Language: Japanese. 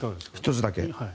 １つだけ。